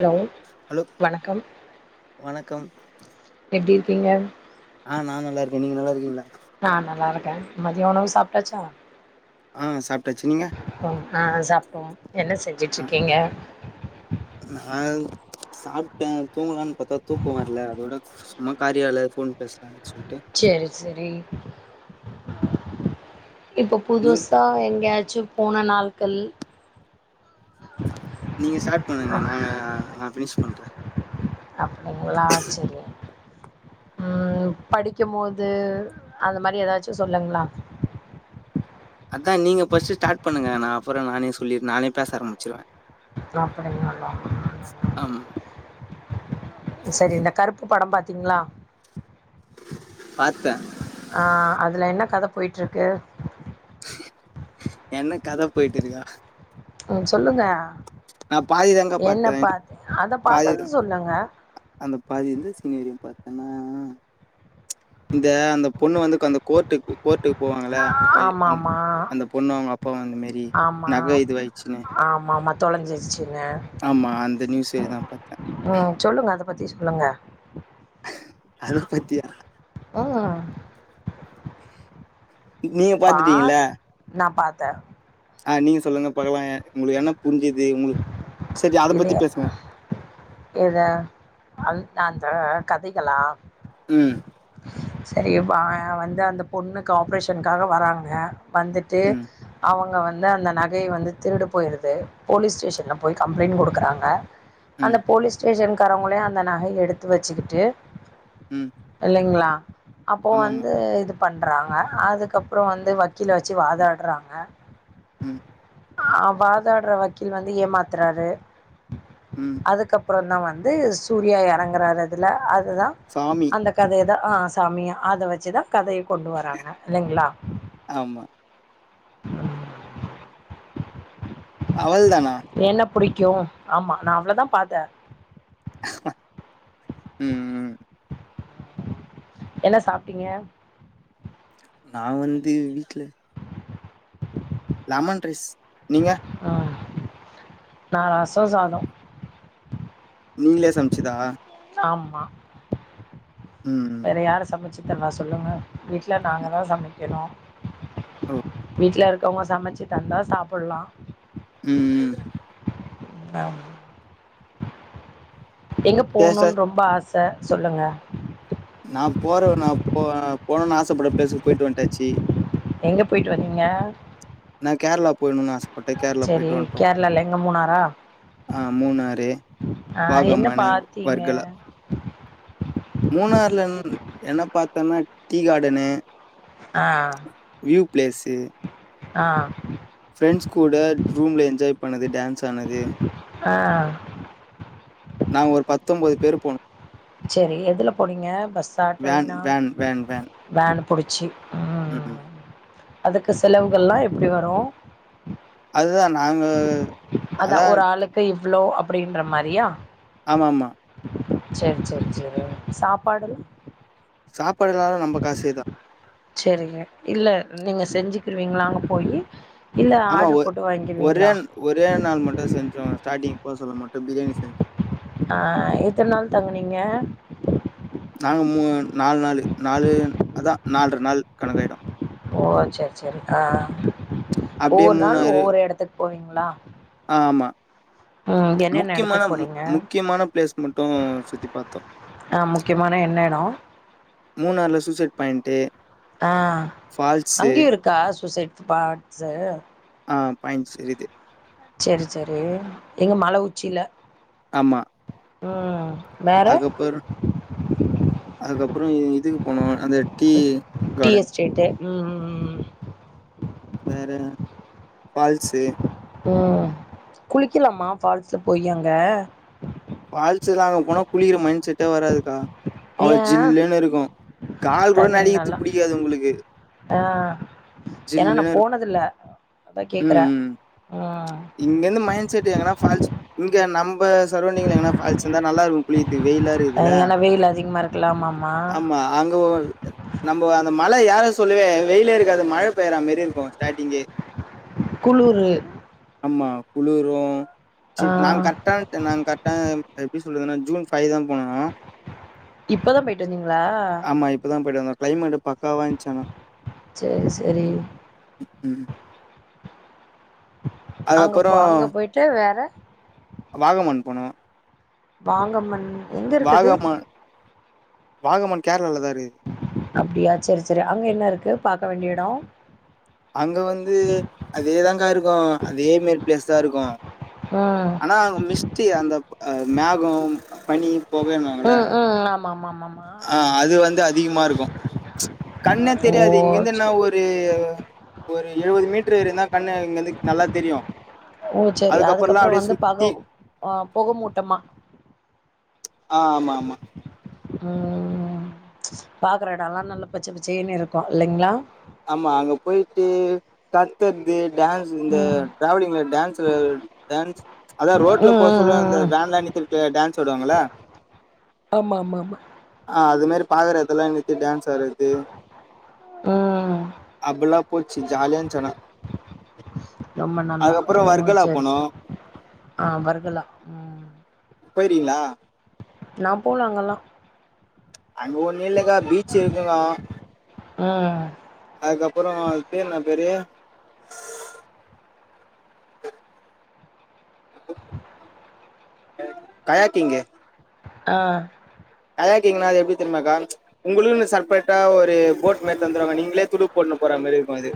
Hello hello வணக்கம் வணக்கம் எப்டிரு கிங்க ஆ நா நல்லா இருக்க நீங்க நல்லா இருக்கீங்ளா நா நல்லா இருக்க மதிய உணவு சாப்ட்டாச்சா ஆ சாப்ட்டாச்சு நீங்க ம் ஆ சாப்டோம் என்ன ஆ செஞ்சுட்டிருக்கீங்க சாப்ட தூங்கலான்னு பாத்தா தூக்கம் வர்ல அதோட சும்மா காரியால ஃபோன் பேசலானு செரி செரி இப்போ நீ புதுசா எங்கியாச் சு போன நாள்கள் நீங்க ஸ்டார்ட் பண்ணுங்க நாங்க நா ஃப்னிஷ் பண்ற அப்டிங்ளா செரி ம் படிக்கும்போது அந்த மாரி ஏதாச்சும் சொல்லுங்ளா அக்கா நீங்க ஃப்ஸ்ட் ஸ்டார்ட் பண்ணுங்க நா அப்றோ நானே சொல்லி நானே பேச ஆரம்பிச்சிருவ ஆமா [inaudible] செரி இந்த கருப்பு படம் பாத் திங்ளா பாத்த ஆ அதுல என்ன கத போயிட்டிருக்கு என்ன கத போய்ட்டிருகா ஓ நா பாதி தங்க என்ன பா்த்தே பாத் அத பாதித பாத்தது சொல்லுங்க அந்த பாதி இருந்து சீனரியும் பாத் ஏனா இந்த அந்த பொண்ணு வந்து அந்த கோர்ட்டுக்கு கோர்ட்டு போவாங்கள அந்த பை அந் ஆமாமா அந்த பொண்ணு அவங்க அப்பாவ அந்த மாரி நகை இதுவாயிச்சுன்னு தொலஞ்சிச்சு ஆமா அந்த நியூசே தா பாத்தே ம் சொல்லுங்க அத பத்தி சொல்லுங்கள் அது பத்தியா ஆ நீங்க பாத்துட்டீங்களா த்த ஆ நீங்க சொல்லுங்க பாக்லா உங்களுக்கு என்ன புரிஞ்சுது உங்களுக்கு சேரி அத இது பத்தி பேசுங்க ஆ கதைகலா ம் சேரி வா வந்து அந்த பொண்ணுக்கு ஆப்ரேஷனுக்காக வராங்க வந்துட்டு ம் அவங்க வந் வந்து அந்த நகைய வந்து திருடு போயிருது போலீஸ் ஸ்டேஷன்ல போய் கம்ப்ளைண்ட் கொடுக்குறாங்க ம் அந்த போலீஸ் ஸ்டேஷனுக் க்காரவங்களே அந்த நகை எடுத்து வச்சுக்கிட்டு ம் இல்லைங்களா அப்போ ஆமாமா வந்து இது பண்றாங்க அதுக்கப்புறோ வந்து வக்கீல வச்சு வாதாடுறாங்க ம் ஆ வாதாட்ற வ க்கீல் வந்து ஏமாத்துறாரு ம் அதுக்கப் அப்புறோ தா வந்து சூர்யா இறங்குறாரு இதுல அ து தா சாமி அந்த கதையை தா அ சாமியா அத வச்சு தா கதைய கொண்டு வராங்க இல்லைங்களா ஆமா அவள்தானா என்னப் புடிக்கும் ஆமா நா அவ்ளவுதாபத்த ம் ம் என்ன சாப்ட்டீங்க நா வந்து வீட்ல லேமன் ரைஸ் நீங்க ஆ நா ரசோசாதோ நீங்லே சமச்சதா ஆமா ம் வேற யாரு சமச்சி த்தவா சொல்லுங்க வீட்ல நாங்கதா சமைக்கனு ஓ ட்ல்ல இருக்கவுங்க சமச்சிதந்தா சாப்பல்லா ம்ம் [unintelligible] எங்க டேஸ்டா போணுன் ரொம்ப ஆஸ் த்த சொல்லுங்க நா போறவ நா போ போனுன்னு ஆசப்படற பிளேஸுக்கு போயிட்டு வந்ட்டாச்சி எங்க போயிட்டு வந்தீங்க நா கேரளா போய்ணுன்னு ஆசப்பட்டே கேரளா சரி போயிட்டு வந்துட்டோ கேரளால எங்க மூணாரா ஆ மூணாறு ஆ என்ன பாகமானு பாத்தீங்க வர்கல மூணாறுல ன் என்ன பத்தன்னா டீ காடனு ஆ வியூ பிளேஸு ஆ ஃப்ரெண்ட்ஸ் கூட ரூம்ல என்ஜாய் பண்ணது ப் டேன்ஸ் ஆனது ஆ நா ஒரு பத் த்தொபது பேர் போனோ சேரி எதுல போனீங்க பஸ்ஸா வேன் ட்ரெயின்னா வேன் வேன் வேன். வேன்ப் புடிச்சி ம் அதுக்கு செலவுகள்ல்லா எப்பிடி வரு அததா நாங்க அதா அதான் ஒரு ஆளுக்கு இவ்ளோ அப் அப்டின்ற மாரியா ஆமா ஆமா செரி செரி செரி சாப்பாடு சாப் சேரிங்க இல்ல நீங்க செஞ்சு திருவீங்களா அங்க போயி இல்ல ஆமா ஆர்டர் ஒ போட்டு வாங்கிருவீங்களா ஒரே ஒரே நாள் மட்டு செஞ்சோ ஸ்டார்ட்டிங் போ சொல்ல மட்டு பிரியாணி செஞ்சு அ எத்தன நாள் தங்னீங்க நாங்க மூ நாலு நாலு நாலு அதா நால்ர நாள் கணக்காயிடு ஓ செரி செரி ஆ அப்டியே ஒவ்வொரு நாள் மூணாறு ஒவ்வொரு எடத்துக்கு போவீங்ளா ஆமா என்னென்ன முக்கியமான எடத்துக்கு மு போனீங்க முக்கியமான பிளேஸ் மட்டு சுத்தி பாத்தோ ஆ முக்கியமான என்ன எடோ மூணாறுல சூசைட் பாயின்ட்டு ஆ அங்கேயு இருக்கா சூசைட் பாட்ஸு ஆ பாயின்ஸ் இருக்கு சேரி சேரி எங்க மழ உச்சியில உம் அதுக்கப்பறோ அதுக்கப்றோ அப்றோ இதுக்கு போனோ அந்த டீ டி கார்டன். எஸ்டேட்டு் ம்ம்ம் ஃபால்ஸ்சு ம் குளிக்கலாமா ஃபால்ஸ்ல போய் அங்க ஃபால்ஸ்ல அங்க போனா குளிக்ற மைண்ட் செட்டே வராதுக்கா அவ்ளோ ஏ ஜில்லுன்னு இருக்கு கால் கூட தண்ணி நனக்கறது நல்லா பிடிக்காது உங்களுக்கு ஆ ஏன்னா நா ஜில்ன்னு இருக்கு போனதில்ல அதா கேக்குறே உம் இங்க இருந்து மைண்ட் செட் எங்கானா ஃபால்ஸ் இங்க நம்ம சரௌண்டிங்ல எங்கனா பால்ஸ் இருந்தா நல்லா இருக்கு குளியத்துக்கு வெயிலா இருக்குதுல ஏன்னா வெயில் அதிகமா இருக்குல்ல ஆமாமா ஆமா அங்க நம்மோ அந்த மல யார சொல்லுவே வெயிலே இருக்காது மழை பெயற மெரி இருக்கு ஸ்டாடிங்கே குளுரு ம்மா குளுரு ச் ஆ நங்க கரெக்டான்ட் நாங்க கரெக்டா எப்பிடி சொ சொல்லதுனா ஜூன் பைதா போனனா இப்பதா போயிட்டு வந்தீங்களா ஆமா இப்பதா போயிட்டு வந்தோ கிளைமேட் பக்காவா இருந்துச்சு ஆனா சேரி சேரி ம் அங்க போ அங்க போயிட்டு வேற வாகமண் போனோ வாங்கம்மன் எங்க இருக்கு அது வாகமான் வாகமான் கேரளாலதா இ அப்பிடியா சேரி சேரி அங்க என்ன இருக்கு பாக்க வேண்டிய இடோ அங்க வந்து அதேதாங்க்கா இருக்கு அதே மே பிளேஸ்தா இருக்கு ம் ஆனா அங்க மிஸ்ட்டி அந்த அ மேகோம் உ உ ஆமா ஆமா ஆமா ஆ அது வந்து அதிகமா இருக்கு கண்ணே ஓ தெரியாது இங்கந்து செ என்ன ஒரு ஒரு எழுவது மீட்டர் இருந்தா கண்ணு இங்கிருந்து நல்லா தெரியு ஓ சரி அதுக்கப்புறல்லா அதுக்கப்புறோ அப்டியே வந்து பகோ சுத்தி ஆ புகோமூட்டமா ஆ ஆமா ஆமா ம் பாக்குற இடல்லா நல்ல பச்சை பச்சையேன்னு இருக்கு இல்லைங்களா கத்தந்தேல் டேன்ஸ் இந்த ம் டிராவலிங்ல டேன்ஸ் டேன்ஸ் அத ரோட்ல ம் ம் போ சொல்ல அந்த ம் ம் வேன்லா நித்தரது டேன்ஸ்வுடுவாங்களா ஆமா ஆமா ஆமா பாக்றதெல்லா நித்தி டேன்ஸ் த்தரது ம் அப்புளாப் போச்சி ஜாலியா இன்ச் ஆனா ரொம்ப நல்லா அதுக்கப்புறோ ஓ வர்கலா செரி போனோ செரி ஆ வர்கலா ம் போய்றீங்களா நா போலா அங்கல்லா அங்க ஒன்னு இல்லக்கா பீச்சு இருக்குங்க ம் அதுக்கப்புறோ பேர் என்ன பேரு காயாக்கிங்கு ஆ கயாக்கிங்ன அது எப்டி தெரியுமாக்கா உங்களுக்குனு செப்பரேட்டா ஒரு போட் மாரி தந்துவாங்க நீங்களே துடுப் போட்னு போற மாரி இருக்கு அது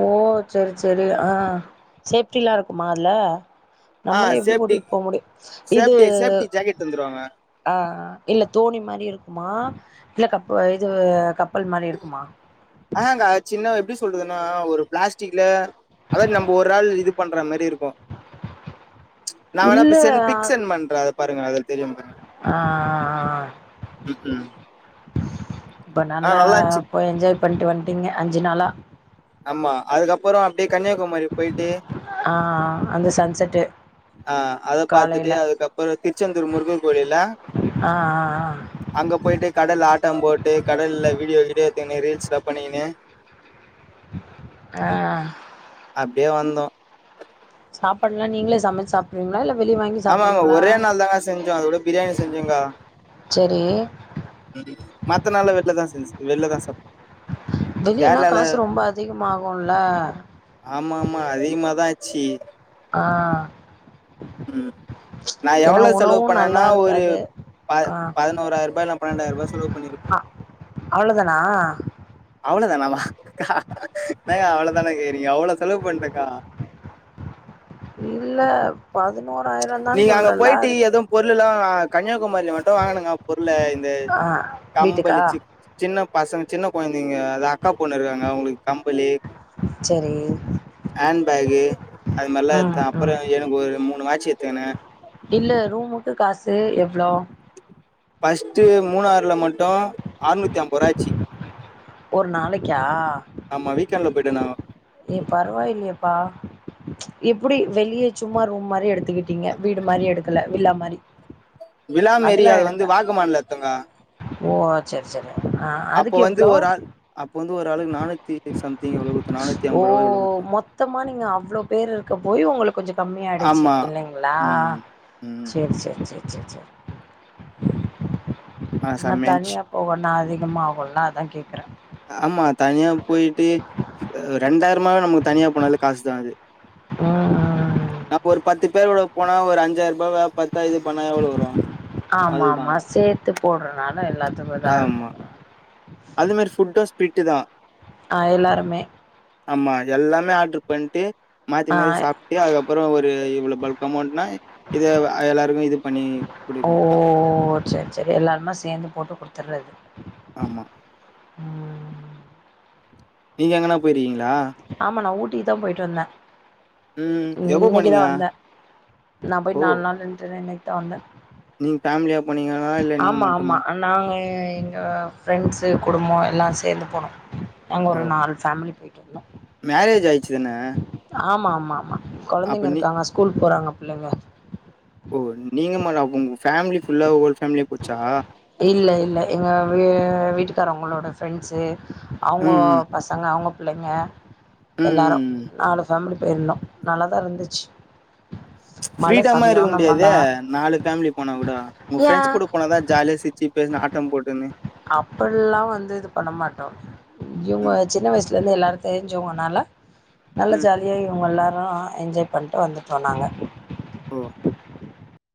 ஓ சரி சரி ஆ சேப்டி எல்லா இருக்குமா அதுல ஆ நம்மள எப்படி சேஃப்டி ஓட்டிட்டு போ முடியு இது சேஃப்டி சேஃப்டி ஜாக்கெட் தந்துருவாங்க ஆ இல்ல தோணி மாரி இருக்குமா இல்ல கா இப்ப இது க ஆங்க சின்ன எப்டி சொல்றதுன்னா ஒரு பிளாஸ்டிக்ல அதாவது நம்ம ஒரு ஆள் இது பண்ற மாரி இருக்கு நா வேணா இல்ல செ பிக் சென் பண்றே அத பாருங்க அதுல தெரியுமா பாருங்க ஆ ம் ம் இப்ப ஆ நல்லா இருந்துச்சு போய் என்ஜாய் பண்ட்டு வந்துட்டிங்க அஞ்சு நாளா ஆமா அதுக்கப் போறோ அப்படியே கன்னியாகுமரி போயிட்டு ஆ அந்த சன்செட்டு ஆ அத பார்த்துட்டு காலைல அதுக்கப்புறோ திருச்செந்தூர் முருகன் கோவில்ல ஆ ஆ அங்க போயிட்டு கடல் ல ஆட்டோம் போட்டு கடலில் வீடியோ கீடியோ எடுத்துகின்னு ரீல்ஸ் லா பண்ணினு ஆ அப்டியே வந்தோ சாப்படலா நீங்களே சமைச்சு சாப்டுவீங்களா இல்ல வெளிய வாங்கி ஆமா ஆமா சாப்டுவீங்களா ஒரே நாள் தாங்க செஞ்சோ அதோட பிரியாணி செஞ்சுங்காள செரி ம் மத்த நாள வெளிலதா செஞ்ச வெளிலதா சாப் வெளியனா காசு ரொம்ப அதிகம்மாககும்ல ச்சு ஆ ம் நா ஏன்னா எவ்வளவு செலவு உணவும் நல்லா பண்ணேன்னா ஒரு இருக்காது ப பதினோறாயிர ரூபா இல்ல பன்னெண்டாயிர ரூபா சொல ஆ அவ்ளோ தானா அவ்வளோதானாமா என்னங்க அவ்வளோதானே கேறீங்க அவ்வளோ செலவு பண்றக்கா இல்ல பதினோராயிரம் தான் நீங்க அங்க சொல்றல போயிட்டு அதுக்கு எதுவு பொருள்ல்லா கண்யா குமரிள மட்டு வாங்கணுங்க பொருள இந்த ஆ வீட்டுக்கா கம்பளி சின் சின்ன பசங்க சின்ன கொயந்த நீங்க அக்கா பொண்ண இருக்காங்க அவங்களுக்கு கம்பளி சரி ஹேண் பேகு அது மாரிலா ம் எடுத்தே அப்புறோ ம் எனக்கு ஒரு மூணு வாட்ச் த்தென இல்ல ரூமுக்கு காசு எவ்ளோ ஃபர்ஸ்ட்டு மூணாறுல மட்டும் ஆர்நூத்தி ஐம்பது ரூவாச்சு ஒரு நாளைக்கா ஆமா வீக்கெண்ட்ல போயிட்டந்தாங்கோ ஏ பரவாயில்லையப்பா எப்டி வெளியே சும்மா ரூம் மாரி எடுத்துக்கிட்டீங்க வீடு மாரி எடுக்கல வில்லா மாரி விலாமேரிய அதெல்லா அது வந்து எடுத்தா வாகு மாநுலத்தோங்கா ஓ ஆ சரி சரி ஆ அப்ப அதுக்கு வந்து எவ்ளோ ஒரு ஆள் அப்ப வந்து ஒரு ஆளுக்கு நானூத்தி சம் ஓ மொத்தமா நீங்க அவ்ளோ பேரு இருக்க போய் உங்களுக்கு கொஞ்சோ கம்மிய ஆயிடுச்சு ஆமா இல்லிங்களா ம் ம் சரி சரி சரி ச் ச ச ஆ ஆனா செம்மையா இருந்ச்சு தனியா போகு நா அதிக மாகுல அதா கே ஆமா தனியா போயி ட்டு ரெண்டாயிர பெரும்பாலு தனியா போனாலு காசு தா அது ம், ம். நா அப்ப ஒரு பத்து பேரோட போனா ஒரு அஞ்சாயிருபாவ பத்து ஆமா ஆமா சேர்த்து போடுறனால எல்லாத்துக்கும் இதா இருக்கும். ஆமா அது மாரி ஃபுட்டஸ் பிட்டுதா ஆ எல்லாருமே ஆமா எல்லாமே ஆர்டரு பண்ட்டு மாத்தி ஆ மாத்தி சாப்ட்டு அதுக்கப்புறோ ஒரு இவ்ளோ பல்க் அமௌண்ட்னா இத எல்லாருக்கு இது பண்ணி ஓ! குடுக்கவேண்டிதா த்தர்ரது ஆமா ம் நீங்க எங்கனா போய்றீகன ஆம்மா நா ஊட் டி தா போயிட்டு வந்தே ம் எப்போ இன்னைக்குதா போனீங்க வந்தே நா போய்ட்டு நாலு நாள் இண்டு இன்னைக்கு ட்ட வந்த நீங் ஃபேமிலியா போனீங்களா இல்ல நீங்க ஆமா ஆமா மட்டுமா நாங்க எ எங்க ஃப்ரெண்ட்ஸ் குடும்ப எல்லா சேந்து போனோ நாங்க ஒரு ஓ நாலு ஃபேமிலி போய்டு வந்தோ மேரேஜ் ஆயிடுச்சு தான ஆமா ஆம் ஆமா ஆமா அப்ப கொழந்தைங்க நீ இருக்காங்க ஸ்கூல் போறாங்க உள்ள வா ஓ நீங்க மட்டா ஆகுங் இல்ல இல்ல எங்க வ வீட்டுக்கார ங்களோட ஃப்ரெண்ட்ஸ்சு அவோங்க ம் ம் பசங்க அவுங்க புள்ளைங்க ம் எல்லாரு ம் நாலு ஃபேமிலி போய்ருந்தோ நல்லாதா இருந்துச்சு மழ ஃப்ரீடமா இருக்க சரியான மழ முடியாத நாலு ஃபேமிலி போன கூட உங். ஃப்ரெண்ஸ் கூட போனதா ஜாலியா சிரிச்சி பேச இஷ்ட போட்டுனு அப்படல்லா வந்து இது பண்ண மாட்டோ இவுங்க ம் சின்ன வயசுல இருந்து எல்லாரு சரிஞ்சோங்ணால நல்ல ம் ஜாலியா இவுங்க எல்லா அ அ என்ஜாய் பண்ட்டு வந்துட்டோ நாங்க ஓ